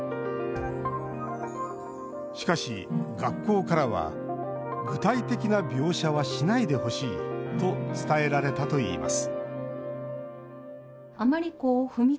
しかし、学校からは「具体的な描写はしないでほしい」と伝えられたといいます